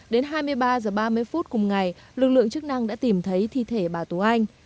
đến hai mươi ba h ba mươi phút cùng ngày lực lượng chức năng đã tìm thấy thi thể bà tú anh